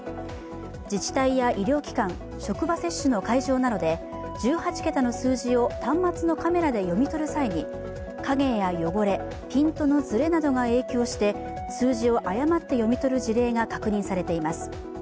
自治体や医療機関、職場接種の会場などで１８桁の数字を端末のカメラで読み取る際にかげや汚れ、ピントのずれなどが影響して数字を誤って読み取る事例が確認されています。